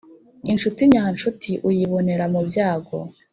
Inshuti nyanshuti uyibonera mubyago